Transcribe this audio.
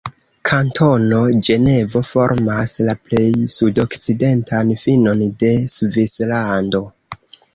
Kantono Ĝenevo formas la plej sudokcidentan finon de Svislando.